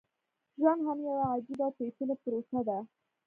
ژوند هم يوه عجيبه او پېچلې پروسه ده.